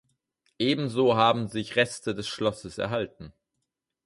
Ebenso haben sich Reste des Schlosses erhalten.